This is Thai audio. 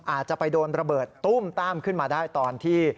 อาจจะไปโดนระเบิดตุ้มต้ามขึ้นมาได้ตอนที่